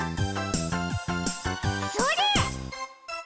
それ！